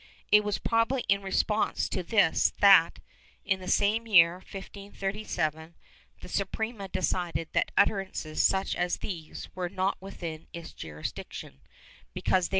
^ It was probably in response to this that, in the same year 1537, the Suprema decided that utterances such as these were not within its jurisdiction, because they were * Nueva Recop.